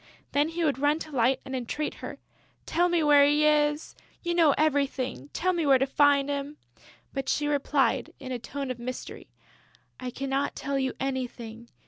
Then he would run to Light and entreat her: "Tell me where he is!... You know everything: tell me where to find him!" But she replied, in a tone of mystery: "I cannot tell you anything.